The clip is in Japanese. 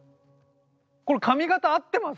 これ髪形合ってます？